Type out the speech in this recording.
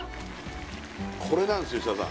これなんすよ設楽さん